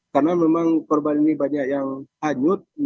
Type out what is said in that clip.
karena memang korban ini banyak yang hanyut